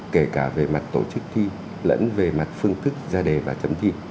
kể cả về mặt tổ chức thi lẫn về mặt phương thức ra đề và chấm thi